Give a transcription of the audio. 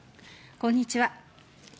こんにちは。